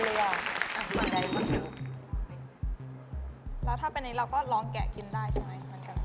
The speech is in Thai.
แล้วถ้าเป็นนี้เราก็ลองแกะกินได้ใช่ไหม